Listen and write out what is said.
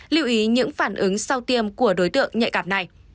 lưu ý những phản ứng sau tiêm của đối tượng nhạy cảm này